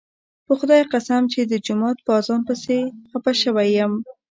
په خدای قسم چې د جومات په اذان پسې خپه شوی یم.